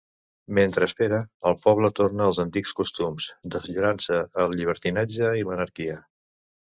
Mentre espera, el poble torna als antics costums, deslliurant-se al llibertinatge i l'anarquia.